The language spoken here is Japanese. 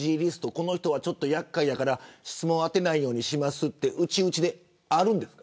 この人は厄介だから質問を当てないようにしますって内々であるんですか。